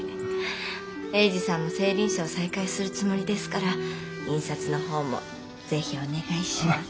英治さんも青凜社を再開するつもりですから印刷の方も是非お願いします。